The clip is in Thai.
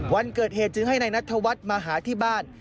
วันเกิดเหตุจึงให้นายนัทธวัฒน์มาหาที่บ้าน